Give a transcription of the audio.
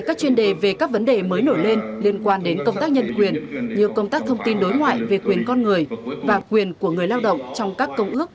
các chuyên đề về các vấn đề mới nổi lên liên quan đến công tác nhân quyền như công tác thông tin đối ngoại về quyền con người và quyền của người lao động trong các công ước